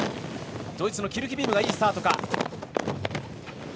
ドイツのキルヒビームいいスタートか。